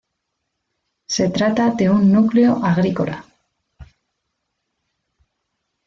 Se trata de un núcleo agrícola.